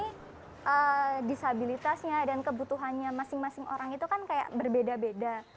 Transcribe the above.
karena kan di sini disabilitasnya dan kebutuhannya masing masing orang itu kan kayak berbeda beda